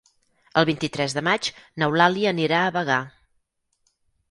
El vint-i-tres de maig n'Eulàlia anirà a Bagà.